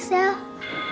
itu nilai bronze daripada